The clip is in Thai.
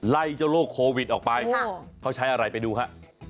ไล่เจ้าโรคโควิดออกไปเขาใช้อะไรไปดูฮะ